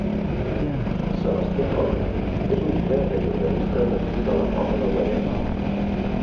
Sebastià Roca és un clergue i organista nascut a la Roca del Vallès.